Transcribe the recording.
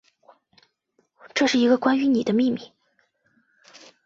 这是一个关于妳的秘密